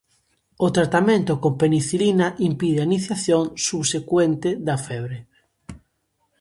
O tratamento con penicilina impide a iniciación subsecuente da febre.